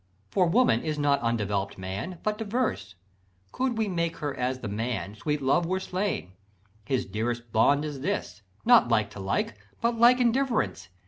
... For woman is not undevelopt man, But diverse: could we make her as the man, Sweet Love were slain: his dearest bond is this, Not like to like, but like in difference.